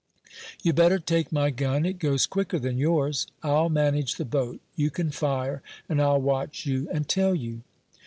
You better take my gun; it goes quicker than yours. I'll manage the boat; you can fire, and I'll watch you and tell you."